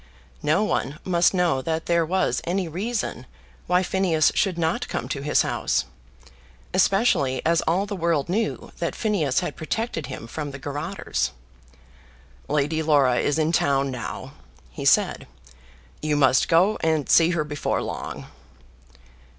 No one must know that there was any reason why Phineas should not come to his house; especially as all the world knew that Phineas had protected him from the garrotters. "Lady Laura is in town now," he said; "you must go and see her before long."